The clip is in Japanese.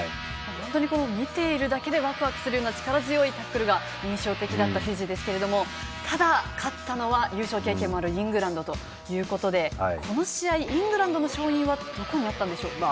見ているだけでワクワクするような力強いタックルが印象的だったフィジーですがただ、勝ったのは優勝経験もあるイングランドということでこの試合、イングランドの勝因はどこにあったんでしょう？